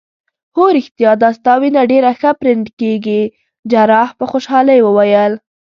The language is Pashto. هو ریښتیا دا ستا وینه ډیره ښه پرنډ کیږي. جراح په خوشحالۍ وویل.